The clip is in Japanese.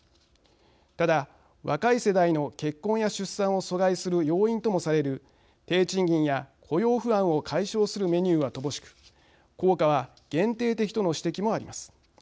ただ、若い世代の結婚や出産を阻害する要因ともされる低賃金や雇用不安を解消するメニューは乏しく効果は限定的との指摘もあります。